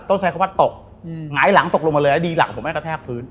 ต้องใช้คำว่าตกหงายหลังตกลงมาเลยแล้วดีหลังผมไม่กระแทกพื้น